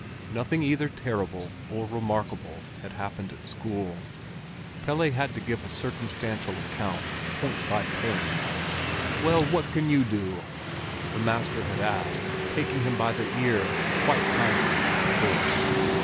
Nothing either terrible or remarkable had happened at school. Pelle had to give a circumstantial account, point by point, "Well, what can you do?" the master had asked, taking him by the ear—quite kindly, of course.